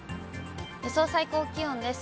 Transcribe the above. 予想最高気温です。